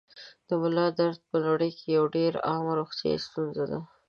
د ملا درد په نړۍ کې یوه ډېره عامه روغتیايي ستونزه ده.